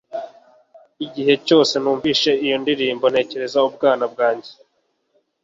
Igihe cyose numvise iyo ndirimbo, ntekereza ubwana bwanjye